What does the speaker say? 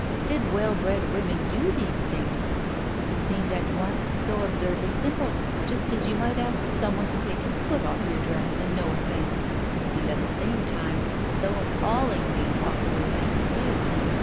Did well bred women do these things ? It seemed at once so absurdly simple, just as you might ask some one to take his foot off your dress and no offence, and at the same time so appallingly impossible a thing to do.